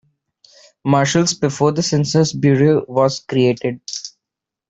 Marshals before the Census Bureau was created.